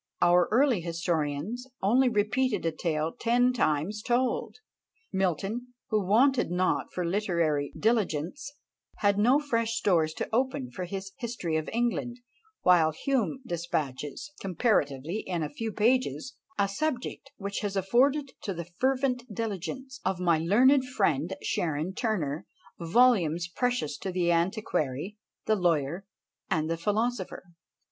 Our early historians only repeated a tale ten times told. Milton, who wanted not for literary diligence, had no fresh stores to open for his "History of England;" while Hume despatches, comparatively in a few pages, a subject which has afforded to the fervent diligence of my learned friend Sharon Turner volumes precious to the antiquary, the lawyer, and the philosopher.